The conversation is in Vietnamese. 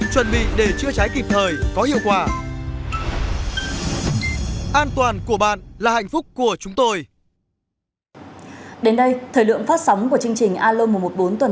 chuẩn bị để chữa cháy kịp thời có hiệu quả